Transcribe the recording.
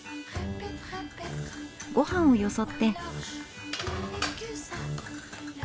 ごはんをよそって。